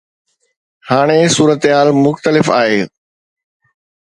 هاڻي صورتحال مختلف آهي.